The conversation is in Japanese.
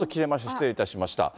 失礼いたしました。